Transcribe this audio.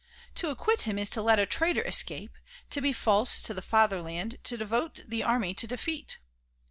To acquit him is to let a traitor escape, to be false to the fatherland, to devote the army to defeat."